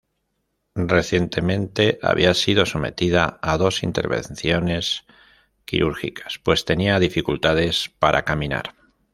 Recientemente había sido sometida a dos intervenciones quirúrgicas pues tenía dificultades para caminar.